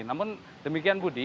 namun demikian budi